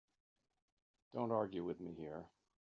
Don't argue with me here.